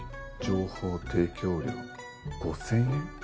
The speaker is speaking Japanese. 「情報提供料５０００円」？